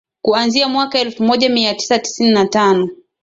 Kuanzia mwaka elfu moja mia tisa tisini na tano